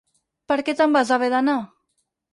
Per què te'n vas haver d'anar?